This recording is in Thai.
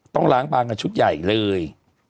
ต้องล้างบางกันชุดใหญ่เลย